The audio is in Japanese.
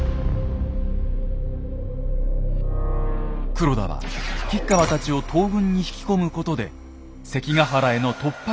黒田は吉川たちを東軍に引き込むことで関ヶ原への突破口を切り開こうとしたのです。